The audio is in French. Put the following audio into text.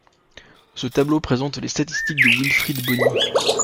Ce tableau présente les statistiques de Wilfried Bony.